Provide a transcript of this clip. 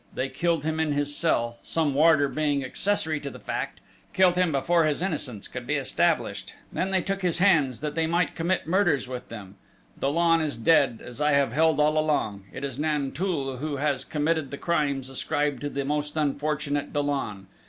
They killed him in his cell, some warder being accessory to the fact killed him before his innocence could be established! Then they took his hands, that they might commit murders with them!... Dollon is dead, as I have held all along. It is Nanteuil who has committed the crimes ascribed to the most unfortunate Dollon.